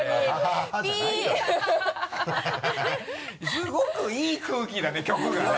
すごくいい空気だね局がね。